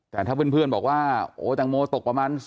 แต่ถ้าเพื่อนเพื่อนบอกว่าโอแจงโมตกประมาณ๔ทุ่มกว่า